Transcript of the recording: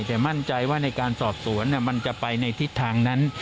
แต่มั่นใจว่าในการสอบสวนมันจะไปในทิศทางนั้น